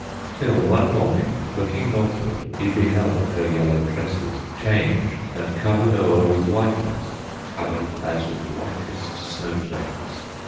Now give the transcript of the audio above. Till one morning, looking northward, He beheld her yellow tresses Changed and covered o'er with whiteness, Covered as with whitest snow flakes.